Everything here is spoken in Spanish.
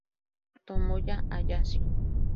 Tomoya Hayashi